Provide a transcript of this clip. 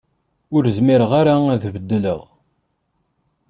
Ur zmireɣ ara ad beddleɣ.